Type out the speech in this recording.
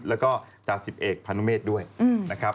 แล้วก็จ่าสิบเอกพานุเมฆด้วยนะครับ